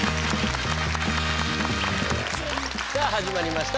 さあ始まりました